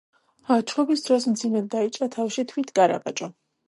ჩხუბის დროს მძიმედ დაიჭრა თავში თვით კარავაჯო.